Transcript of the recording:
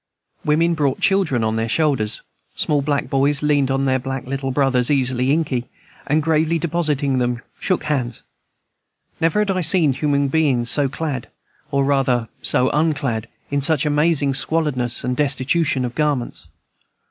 Women brought children on their shoulders; small black boys learned on their back little brothers equally inky, and, gravely depositing them, shook hands. Never had I seen human beings so clad, or rather so unclad, in such amazing squalid ness and destitution of garments.